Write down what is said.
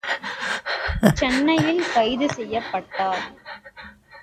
சென்னையில் கைது செய்யப்பட்டார்.